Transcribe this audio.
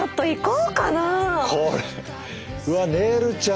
うわねるちゃん